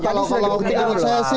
kalau di prosesi